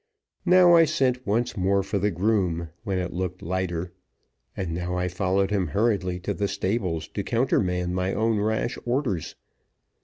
Now I sent once more for the groom, when it looked lighter; and now I followed him hurriedly to the stables, to countermand my own rash orders.